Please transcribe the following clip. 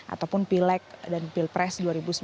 ataupun pilek dan pilpres dua ribu sembilan belas